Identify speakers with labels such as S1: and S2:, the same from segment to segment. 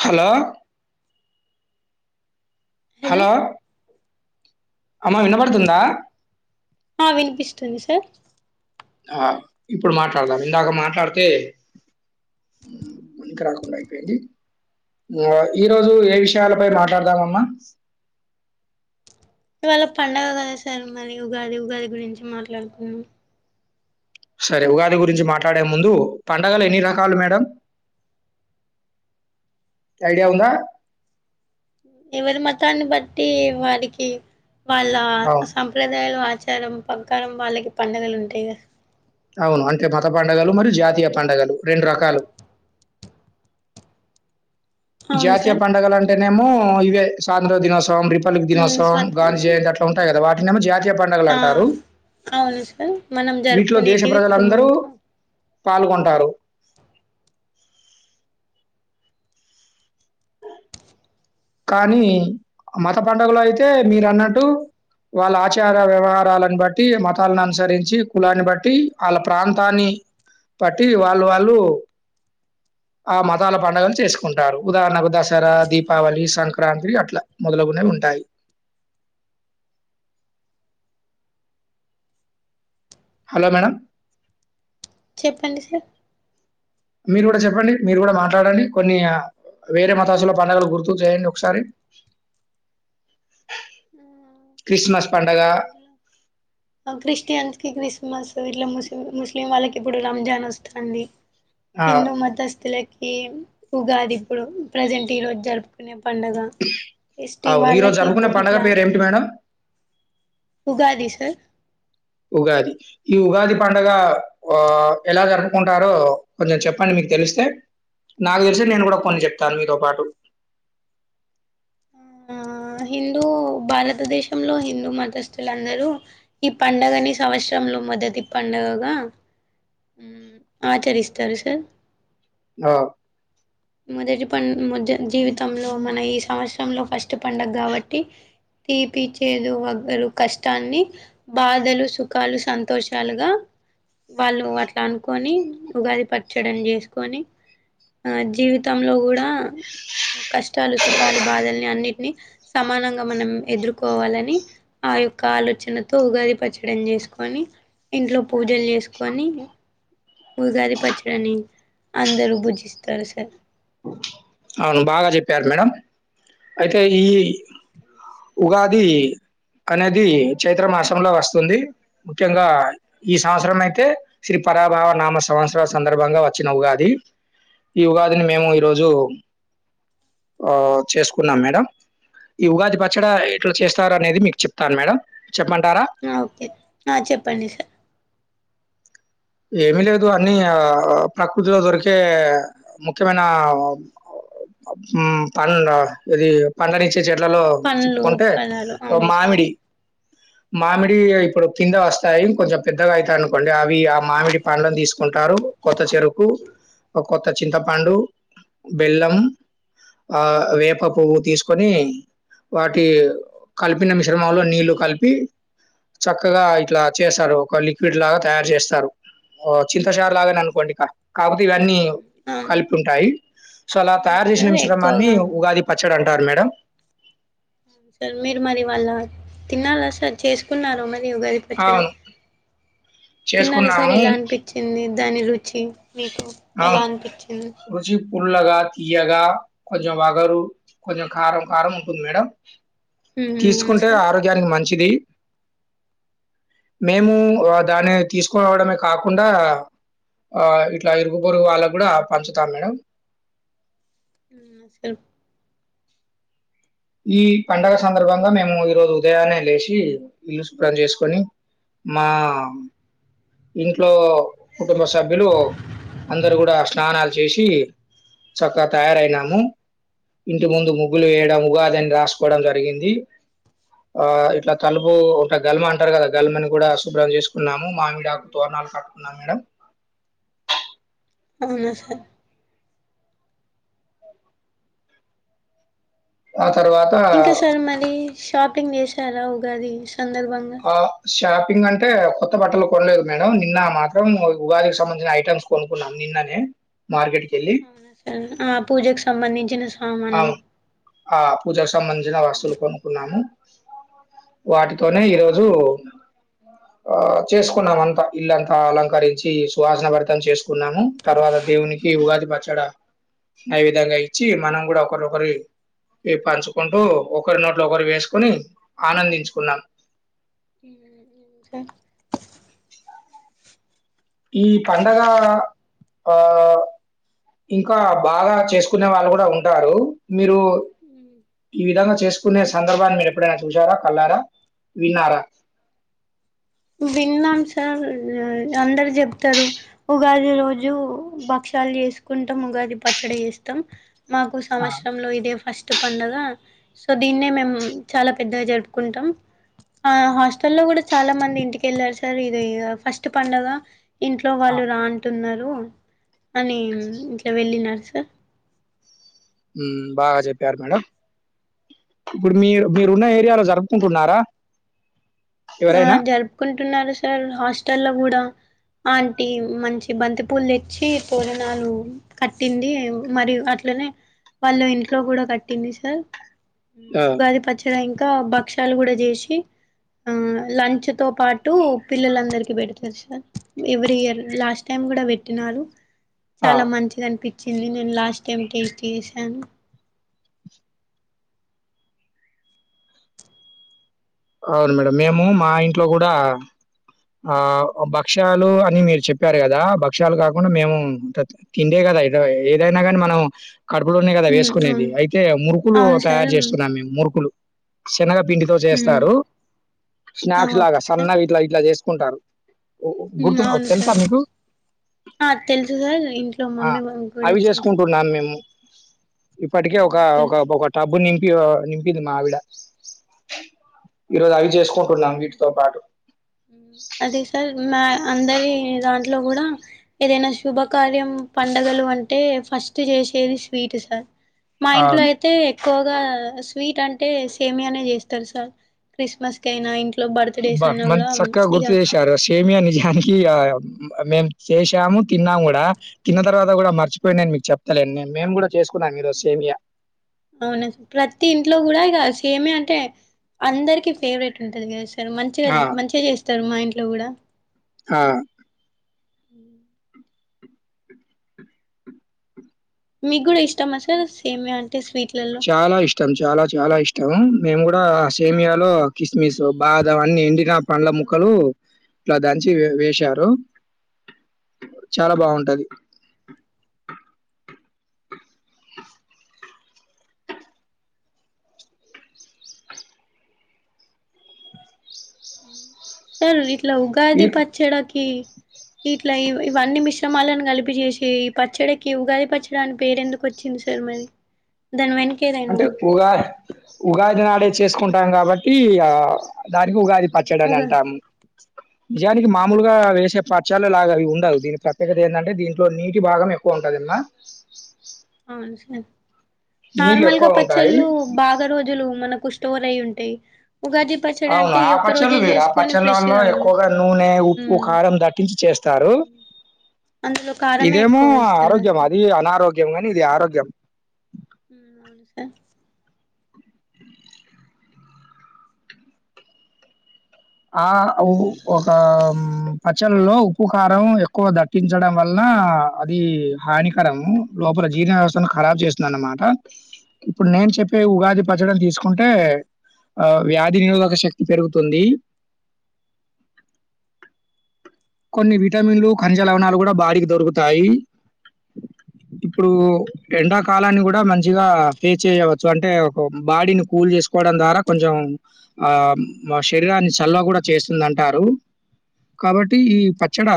S1: Hello hello అమ్మ వినపడుతుందా.
S2: ఆ వినిపిస్తుంది సార్.
S1: ఆ ఇప్పుడు మాట్లాడదాం ఇందాక మాట్లాడితే ఇకి రాకుండా అయిపోయింది. ఈరోజు ఏ విషయాలపై మాట్లాడదామమ్మా.
S2: ఇవాళ పండుగ కదా సార్ మరి ఉగాది, ఉగాది గురించి మాట్లాడుకున్నాం.
S1: సరే ఉగాది గురించి మాట్లాడే ముందు పండగలు ఎన్ని రకాలు మేడం ఐడియా ఉందా.
S2: ఎవరి మతాన్ని బట్టి వారికి వాళ్ళ
S1: అవును.
S2: సంప్రదాయాలు వ ఆచారం పక్కారం వాళ్ళకి పండగలు ఉంటాయి కద.
S1: అవును అంటే మత పండుగలు మరియు జాతీయ పంండగలు రెండు రకాలు.
S2: అవును
S1: జాతీయ
S2: సార్
S1: పండగల అంట నేము ఇవె సాయంత్ర దినోస రిపబ్లిక్
S2: ఉమ్
S1: దినోత్సవం
S2: స్వత
S1: గాంధీ జయంతి అట్లా ఉంటాయి కదా వాటినేమ జాతీయ పండుగలు
S2: ఆ
S1: అంటారు.
S2: అవును సార్ మనం
S1: వీటిలో దేశ
S2: జరుపుకునేటివి
S1: ప్రజలందరూ
S2: కుటుంబంతో
S1: పాల్గొంటారు. కానీ మత పండుగలో అయితే మీరు అన్నట్టు వాళ్ళ ఆచార వ్యవహారాలను బట్టి, మతాలను అనుసరించి కులాన్ని బట్టి, వాళ్ళ ప్రాంతాన్ని బట్టి, వాళ్ళు వాళ్ళు ఆ మతాల పండుగలు చేసుకుంటారు. ఉదాహరణకు దసరా దీపావళి సంక్రాంతి అట్లా మొదలగునే ఉంటాయి. హలో మేడం
S2: చెప్పండి సార్
S1: మీరు కూడా చెప్పండి. మీరు కూడా మాట్లాడండి కొన్ని వేరే మతాసుల పడుగలు గుర్తు చేయండి. ఒకసారి క్రిస్మస్ పండగ
S2: క్రిస్టియన్స్ క్రిస్ మస్ వీటిలో ము ముస్లిం వాళ్ళకి ఇప్పుడు రంజాన్ వస్తుంది.
S1: ఆ!
S2: ఇన్న మత అస్తిల ఈ ఉగాది ఇప్పుడు ప్రజెంట్ ఈ రోజు జరుపుకునే పండగ ఎస్టీ
S1: అవును. ఈరోజు
S2: వాళ్ళకి
S1: జరుపుకునే పండగ
S2: ఇట్లా
S1: పేరేంటి మేడం?
S2: ఉగాది సార్
S1: ఉగాది. ఈ ఉగాది పండగ ఆ ఎలా జరుపుకుంటారో కొంచెం చెప్పండి. మీకు తెలిస్తే నాకు తెలిసి నేను కూడా కొన్ని చెప్తాను మీతో పాటు.
S2: ఆ హిందూ భారతదేశంలో హిందూ మతస్థులందరూ ఈ పండగని సంవత్సరంలో మొదటి పండగగా హు ఆచరిస్తారు సార్.
S1: ఆ
S2: మొదటి పన్ ము జీవితంలో మన ఈ సమస్య లో ఫస్ట్ పండుగ కాబట్టి తీపి చేదు వగరు కష్టాన్ని బాధలు, సుఖాలు సంతోషాలుగా వాళ్ళు అట్లా అనుకొని ఉగాది పచ్చడి చేసుకొని, ఆ జీవితంలో కూడా కష్టాలు సుఖాలు బాధల్ని అన్నిటిని సమానంగా మనం ఎదుర్కోవాలని ఆ యొక్క ఆలోచనతో ఉగాది పచ్చడిని చేసుకొని ఇంట్లో పూజలు చేసుకొని ఉగాది పచ్చడన్ని అందరూ పూజిస్తారు సార్.
S1: అవును బాగా చెప్పారు మేడం అయితే ఈ ఉగాది అనేది చైత్ర మాసంలో వస్తుంది. ముఖ్యంగా ఈ సంవత్సరం అయితే శ్రీ పరాభావ నామ సంవత్సరం సందర్భంగా వచ్చిన ఉగాది. ఈ ఉగాదిని మేము ఈరోజు ఆ చేసుకున్నాం మేడం ఈ ఉగాది పచ్చడ ఎట్లా చేస్తారు. అనేది మీకు చెప్తాను మేడం. చెప్పమంటారా?
S2: ఆ ఓకే చెప్పండి సార్
S1: ఏమి లేదు అన్ని ప్రకృతిలో దొరికే ముఖ్యమైన మ్మ్ పండ్లు ఇది పండ్లని చీ చెట్లలో
S2: పండ్లు
S1: చెప్పుకుంటే
S2: ఫలాలు
S1: ఓ
S2: అవును సార్
S1: మామిడి మామిడ్ ఇయే ఇప్పుడు కింద వస్తాయి కొంచెం పెద్దగా ఐయితాయ్ అనుకోండి అవి ఆ మామిడి పండ్లని తీసుకుంటారు కొత్త చెరుకు ఒక కొత్త చింతపండు బెల్లం ఆ వేప పువ్వు తీసుకొని వాటి కలిపిన మిశ్రమాలో నీళ్లు కలిపి చక్కగా ఇట్లా చేస్తారు ఒక లిక్విడ్ లాగా తయారు చేస్తారు ఓ చింతషార్ లాగానే అనుకోండి ఇక కాకపోతే ఇవన్నీ
S2: అవును
S1: కలిపి ఉంటాయి సో అలా
S2: అవును
S1: తయారు చేసిన
S2: సార్
S1: మిశ్రమాన్ని
S2: ఎక్కువగా
S1: ఉగాది పచ్ ఎక్కడ అంటారు మేడం
S2: సార్ మీరు మరి వాళ్ళ తినాలా సార్ చేసుకున్నారు మర్ ఈ ఉగాది పచ్చడ
S1: అవును.
S2: తిన్నాలి సార్
S1: చేసుకున్నాము.
S2: ఎలా అనిపిచ్చింది దాని రుచ్ చి మీకు
S1: అవును.
S2: ఎలా అనిపిచ్చింది
S1: రుచి పుల్లగా తియ్యగా కొంచెం వగరు కొంచెం కారం కారం ఉంటుంది మేడం
S2: ఉమ్ అవును
S1: తీసుకుంటే
S2: సార్
S1: ఆరోగ్యానికి మంన్ చిది మేము ఓ దాన్ని తీసుకూరావడమే కాకుండా ఆ ఇట్లా ఇరుగు పొరుగు వాళ్ళకు కూడ పంచుతాం మేడం
S2: మ్మ్ సరూ
S1: ఈ పండగ సందర్భంగా మేము ఈరోజు ఉదయాన్నే లేచి ఇల్లు శుభ్రం చేసుకొని మా ఇంట్లో కుటుంబ సభ్యులు అందరు కూడ స్నానాలు చేసి చక్కగా తయారైనాము ఇంటి ముందు ముగ్గులు వేయడం ఉగాద్ దాన్ని రాసుకోవడం జరిగింది ఆ ఇట్లా తలుపు ఉంట గల్మ అంటారు కదా గల్మని కూడా శుభ్రం చేసుకున్నాము మామిడి తోరనాలు కట్టుకునాం మేడం
S2: అవున సార్
S1: వాస్
S2: ఇంకా సార్ మరి షాపింగ్ చేసారా ఉగాది సందర్భంగా
S1: ఆ షాక్ పింగ్ అంటే కొత్త బట్టలు కొనలేదు మేడం నిన్న మాత్రం ఉగాదికి సంబంధించిన ఐటమ్స్ కొనుకున్నాం నిన్ననే మార్కెట్ కి
S2: అవునా సార్ ఆ పూజకు సంబంధించిన సామ్
S1: అవ్న్ ఆ పూజకు సంబంధించిన ఆ వస్తువులు కొనుకున్నాము వాటితోనే ఈరోజు ఆ చేసుకున్నాము అంతా ఇల్లంతా అలంకరించి సువాసన భరితం చేసుకున్నాము తర్వాత దేవునికి ఉగాది పచ్చడ నైవేద్యంగా ఇచ్చి మనం కూడా ఒకరి ఒకరి పంచుకుంటూ ఒకరి నోట్లో ఒకరు వేసుకొని ఆనందించుకున్నాం
S2: హ్మ్ ఇంకా
S1: అవునా ఈ పండగా ఆ ఇంకా బాగా చేసుకునే వాళ్ళు కూడా ఉంటారు మీరు ఈ విధంగా చేసుకునే సందర్భాన్ని మీరు ఎప్పుడైనా చూసారా కళ్లారా విన్నారా
S2: విన్నాం సార్ అందరు చెప్తారు ఉగాది రోజు భక్షాలు చేసుకుంటాం ఉగాది పచ్చడి చేస్తాం మాకు
S1: ఆ,
S2: సంవత్సరంలో ఇదే ఫస్ట్ కొత్త పండుగ సో దినే మేం చాలా పెద్దగా జరుపుకుంటాం హాస్టల్లో కూడా చాలా మంది ఇంటికి వెళ్ళాలి సార్ ఇదే ఫస్ట్ పండగ ఇంట్లో
S1: ఆ,
S2: వాళ్ళు రా అంటున్నారు అని ఇట్లా వెళ్ళిన్నారు సార్
S1: హు బాగా చెప్పారు మేడం ఇప్పుడు మీరు మీరున్న ఏరియాలో జరుపుకుంటున్నారా
S2: ఆ
S1: ఎవరైనా
S2: జరుపుకుంట్ ఉంటున్నారు సార్ హాస్టల్లో కూడా ఆంటీ మంచి బంతి పూలు తెచ్చి పూరానాలు కట్టింది మరియు అట్లనే వాళ్ళు ఇంట్లో కూడా కట్టింది సార్ హు
S1: ఆ
S2: ఉగాది పచ్చడ ఇంక బక్షాలు కూడా చేసి ఆ లంచ్ తో పాటు పిల్లలందరికి పెడతారు sir every year last time కూడా పెట్టినారు
S1: ఆ,
S2: చాలా మంచిది అనిపి చిల్లి నీను లాస్ట్ టైం టేస్ట్ చేశాను
S1: అవును మేడం మేము మా ఇంట్లో కూడా ఆ భక్షాలు అని మీరు చెప్పారు కదా భక్షాలు కాకుండా మేము ఇంకా తిండే కదా ఏదైనా కానీ మనం కడుపులోనే కదా
S2: అవును
S1: వేసుకునేది అయితే మురుకులు
S2: అవును సార్
S1: తయారు చేస్తున్నాం మేము మురుకులు శనగా పిండితో చే సారు స్నాక్స్ లాగా సన్నగా ఇట్లా ఇట్లా చే ఉంటారు
S2: హు అవును సార్ ఆ తెలుసు సార్ ఇంట్లో
S1: ఆ
S2: మమ్మీ వాళ్ళు కూడా
S1: అవి
S2: చేస్తారు
S1: చేసుకుంటున్నాం మేము ఇప్పటికే ఒక
S2: అవునా సార్
S1: ఒక ఒక టబు నింపి ఇగో నింపిది మా ఆవిడ ఈ రోజు ఆయ్ చేసు
S2: హు అది సార్ మా అందరి దాంట్లో కూడా ఏదైనా శుభాకార్యం పండగలు అంటే ఫస్ట్ చేసేది స్వీట్ సార్ మా ఇంట్లో
S1: అవును
S2: అయితే ఎక్కువ స్వీట్ అంటే ఏమిటనే చేస్తారు సార్ క్రిస్మస్ కీ
S1: బ్బా మంత్ చక్కగా గుర్తుచేశారు సేమీయా నిజ గా మేమ్ చేసాము తిన్నాము కూడా తిన్న తర్వాత కూడా మర్చిపోయి మీకు చెప్తా లేను మీకు మేము కూడా చేసుకున్నాం ఈరోజు సేమియా
S2: అవునా సార్ ప్రతి ఇంట్లో కూడా ఇక సేమే అంటే అందరికిీ ఫేవరెట్ ఉంటది మంచిగా
S1: ఆ!
S2: మంచిగా చేస్తా స్తారు మా ఇంట్లో కూడా
S1: ఆ
S2: హు మీ కూడా ఇష్టం అ సార్ సేమియా అంటే స్వీట్లలో
S1: చాలా ఇష్టం చాలా చాలా ఇష్టం మేము కూడా సేమియాలో కిస కిస్మిస్ బాదం అన్ని ఎండిన పండ్ల
S2: ఆ
S1: ముక్కలు ఇట్లా దంచి వేశారు చాలా బాగుంటది
S2: హు సార్ ఇట్లా
S1: ఈ
S2: ఉగాది పచ్చడాకి ఇట ఇట్లా ఇవన్నీ మిశ్రమాలను కలిపి చేేసి ఈ పచ్చడికి ఉగాది పచ్చడి అని పేరు ఎందుకు వచ్చింది సార్ మరి దాని వెనుక
S1: అంటే ఉగా ఉగాదినాడే చేసుకుంటాం కాబట్టి ఆ దానికి ఉగాది పచ్చడి అని
S2: ఉగా
S1: అంటాము నిజానికి మామూలుగా వేసే పచ్చలు లాగా ఇవి ఉండవు దీనికి ప్రత్యేకత ఏంటంటే దీంట్లో నీటి భాగం ఎక్కువ ఉంటది ఇళ్ల,
S2: అవున సార్
S1: నీళ్ళు
S2: నార్మల్ గా
S1: ఎక్కువ ఉంటాయి
S2: పచ్చళ్ళు బాగా రోజులు మనకు ఎక్కువ స్టోర్ అయ్యి ఉంటాయి ఉగాది పచ్చడి
S1: అవును
S2: అంటే ఈ
S1: ఆ
S2: ఒక్క
S1: పచ్చళ్ళు
S2: రోజే
S1: వేరు ఆ
S2: చేసుకొని ఫ్రెష్
S1: పచ్చళ్ళల్లో
S2: గా
S1: ఎక్కువగా నూనె ఉప్పు
S2: ఉమ్
S1: కారం దట్టిచ్చి చేస్తారు,
S2: అందులో కారమే
S1: ఇదేమో
S2: ఎక్కువ వేస్తారు కదా
S1: ఆరోగ్యం
S2: సార్
S1: అది అనారోగ్యం గాని ఇది ఆరోగ్యం
S2: ఊ అవును సార్,
S1: ఆ ఒక పచ్చలలో ఉప్పు కారం ఎక్కువ దట్టించడం వల్లన అది హానికరము లోపల జీర్ణ వ్యవస్థను ఖరాబ్ చేస్తుంది అన్నమాట ఇప్పుడు నేను చెప్పే ఉగాది పచ్చడిని తీసుకుంటే ఆ వ్యాధి నిరోధక శక్తి పెరుగుతుంది, కొన్ని విటమిన్లు ఖనిజ లవణాలు కూడా బాడీకి దొరుకుతాయి ఇప్పుడు ఎండాకాలాన్ని. కూడా మంచిగా ఫేస్ చేయవచ్చు అంటే ఒక బాడీని కూల్ చేసుకోవడం ద్వారా కొంచెం. ఆ మా శరీరాన్ని చల్వ కూడా చేస్తుంది అంటారు కాబట్టి టి ఈ పచ్చడా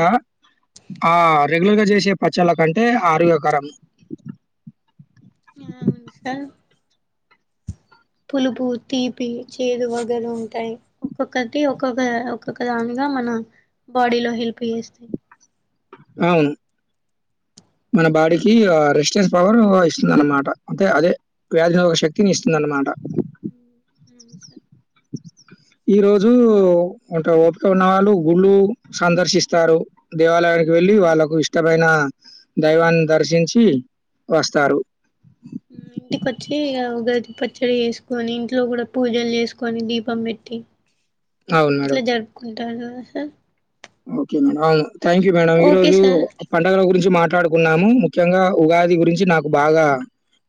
S1: ఆ రెగ్యులర్గా చేసే పచ్చళ్ళ కంటే ఆరోగ్యకరం
S2: అవును సార్ పులుపు తీపి చేదు వగర ఉంటాయి ఒక్కొక్కటి ఒక్కొక్క ఒక్కొక్క దానిగా మన బాడీలో హెల్ప్ చేస్తాయి
S1: అవును మన బాడీకి రెసిస్టెన్స్ పవర్ ఇస్తుంది అన్నమాట అంటే అదే వ్యాధినిరోధక శక్తిని ఇస్తుంది అన్నమాట,
S2: అవును సార్
S1: ఈ రోజు ఉంటే ఓపిక ఉన్న వాళ్ళు గుళ్ళు సందర్శిస్తారు దేవాలయానికి వెళ్ళి వాళ్ళకు ఇష్టమైన దైవాన్ని దర్శించి వస్తారు
S2: ఇంటికొచ్చి ఉగాది పచ్చడి చేసుకొని ఇంట్లో కూడా పూజలు చేసుకొని దీపం పెట్టి,
S1: అవును మేడం.
S2: ఇట్లా జరుపుకు తర్వాత
S1: okay madam thank you madam ఈ
S2: ఓకే
S1: రోజు
S2: సార్
S1: పండగల గురించి మాట్లాడుకున్నాము ముఖ్యంగా ఉగాది గురించి నాకు బాగా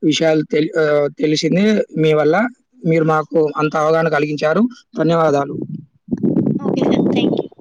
S1: విషయాలు తె తెలిసింది మీ వల్ల మీరు మాకు అంత అవగాహన కలిగించారు ధన్యవాదాలు
S2: ఓకే సార్ థ్యాంక్ యూ